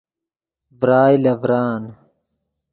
ڤرائے لے ڤران